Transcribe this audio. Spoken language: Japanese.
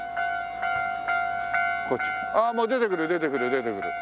ああもう出てくる出てくる出てくる。